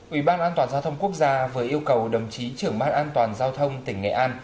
ủy ban an toàn giao thông quốc gia vừa yêu cầu đồng chí trưởng ban an toàn giao thông tỉnh nghệ an